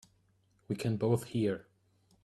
We can both hear.